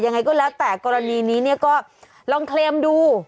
ยังไงก็แล้วแต่กรณีนี้เนี่ยก็ลองเคลมดู